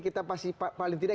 kita pasti paling tidak